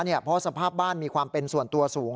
นี้อาจจะเป็นของสภาพบ้านมีความเป็นส่วนตัวสูง